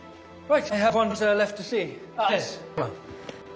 はい。